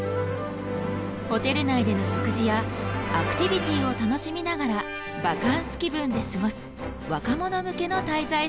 ホテル内での食事やアクティビティーを楽しみながらバカンス気分で過ごす若者向けの滞在スタイル。